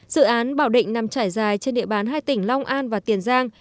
dự án bảo định nằm trải dài trên địa bàn hai tỉnh long an và tiền giang